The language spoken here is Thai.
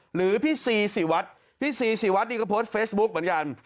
หรือพี่ซีศรีวัฒน์พี่ซีศรีวัดนี่ก็โพสต์เฟซบุ๊กเหมือนกัน